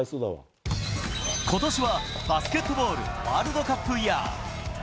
ことしはバスケットボールワールドカップイヤー。